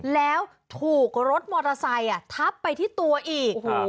แล้วถูกรถมอเตอร์ไซต์อ่ะทับไปที่ตัวอีกโอ้โห